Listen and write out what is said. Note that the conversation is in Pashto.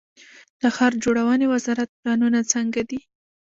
د ښار جوړونې وزارت پلانونه څنګه دي؟